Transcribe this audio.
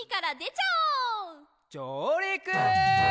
じょうりく！